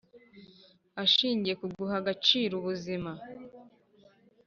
ishingiye ku guha agaciro ubuzima.